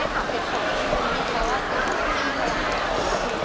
เพราะว่าเจนก็ไม่มีความรู้สึก